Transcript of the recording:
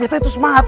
betta itu semangat